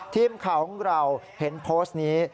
ทีมข่าวของเราเห็นโพสต์นี้